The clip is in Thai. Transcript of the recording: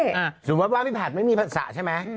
อุ๊ยเท่อ่ะสมมติว่าพี่ผัดไม่มีภาษาใช่ไหม